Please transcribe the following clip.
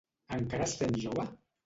Encara es sent jove?